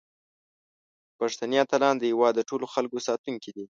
پښتني اتلان د هیواد د ټولو خلکو ساتونکي دي.